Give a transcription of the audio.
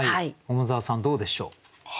桃沢さんどうでしょう？